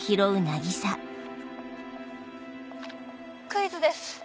クイズです。